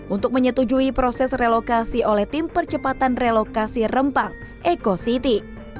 untuk menyetujui proses relokasi oleh tim percepatan relokasi rempang eko city